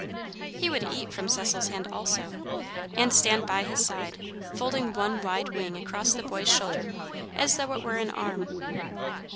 He would eat from Cecil's hand, also, and stand by his side, folding one wide wing across the boy's shoulder, as though it were an arm.